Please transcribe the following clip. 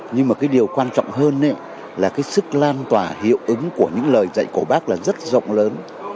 nhưng mà cái điều quan trọng hơn là cái sức lan tỏa hiệu ứng của những lời dạy của bác là rất rộng lớn